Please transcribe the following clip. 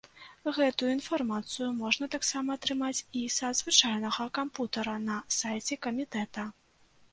Гэтую інфармацыю можна таксама атрымаць і са звычайнага кампутара на сайце камітэта.